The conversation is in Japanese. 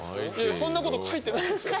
そんなこと書いてないですよ！